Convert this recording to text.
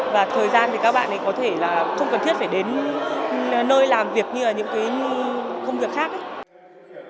và thời gian thì các bạn ấy có thể là không cần thiết phải đến nơi làm việc như là những cái công việc khác ấy